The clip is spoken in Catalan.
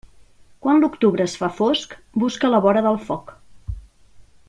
Quan l'octubre es fa fosc, busca la vora del foc.